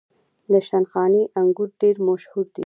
د شندخاني انګور ډیر مشهور دي.